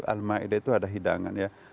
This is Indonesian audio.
al maida itu ada hidangan ya